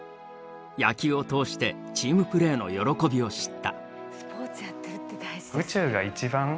野球を通してチームプレーの喜びを知った。